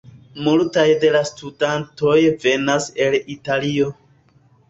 Multaj de la studantoj venas el Italio.